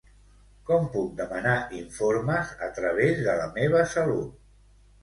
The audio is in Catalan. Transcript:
Com puc demanar informes a través de La meva salut?